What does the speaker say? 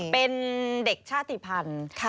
เป็นเด็กชาติภัณฑ์